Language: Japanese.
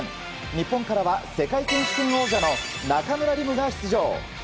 日本からは世界選手権王者の中村輪夢が出場。